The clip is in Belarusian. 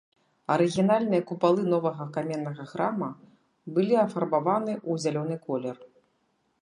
Арыгінальныя купалы новага каменнага храма былі афарбаваны ў зялёны колер.